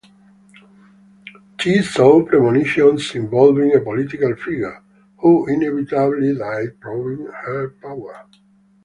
She saw premonitions involving a political figure, who inevitably died, proving her power.